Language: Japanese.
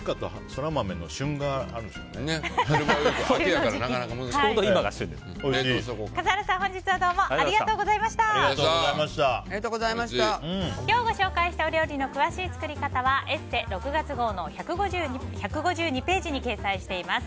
今日ご紹介したお料理の詳しい作り方は「ＥＳＳＥ」６月号の１５２ページに掲載しています。